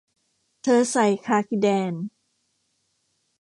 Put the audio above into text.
เธอใส่คาร์กิแดน